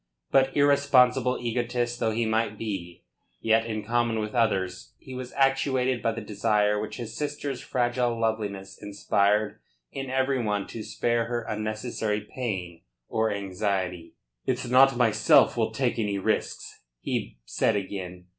But irresponsible egotist though he might be, yet in common with others he was actuated by the desire which his sister's fragile loveliness inspired in every one to spare her unnecessary pain or anxiety. "It's not myself will take any risks," he said again.